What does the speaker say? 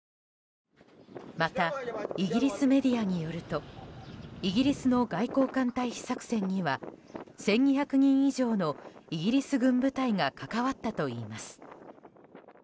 また、イギリスメディアによるとイギリスの外交官退避作戦には１２００人以上のイギリス軍部隊が関わったといいます。